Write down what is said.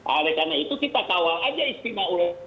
oleh karena itu kita kawal aja istimewa ulama